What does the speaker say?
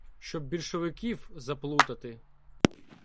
— Щоб більшовиків заплутати.